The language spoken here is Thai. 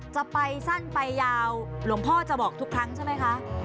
จะไปสั้นไปยาวหลวงพ่อจะบอกทุกครั้งใช่ไหมคะ